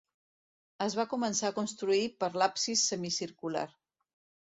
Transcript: Es va començar a construir per l'absis semicircular.